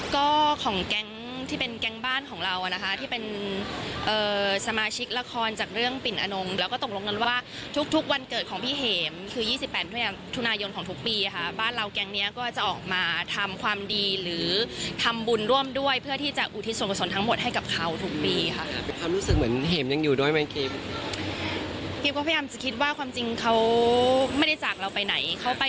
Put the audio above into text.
ก็ของแก๊งที่เป็นแก๊งบ้านของเรานะคะที่เป็นสมาชิกละครจากเรื่องปิ่นอโน้งแล้วก็ตรงนั้นว่าทุกวันเกิดของพี่เห็มคือ๒๘ทุนายนของทุกปีค่ะบ้านเราแก๊งเนี้ยก็จะออกมาทำความดีหรือทำบุญร่วมด้วยเพื่อที่จะอุทิศส่วนผสมทั้งหมดให้กับเขาทุกปีค่ะความรู้สึกเหมือนเห็มยังอยู่ด้วยมันเกมก็พยายามจะคิดว่าค